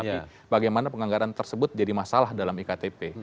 jadi bagaimana penganggaran tersebut jadi masalah dalam iktp